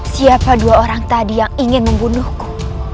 siapa dua orang tadi yang ingin membunuhku